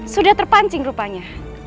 sudah terpancing rupanya